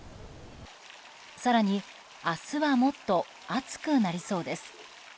更に、明日はもっと暑くなりそうです。